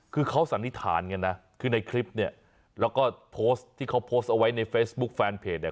คือเขาสันนิษฐานกันนะคือในคลิปเนี่ยแล้วก็โพสต์ที่เขาโพสต์เอาไว้ในเฟซบุ๊คแฟนเพจเนี่ย